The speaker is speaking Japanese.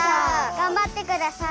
がんばってください。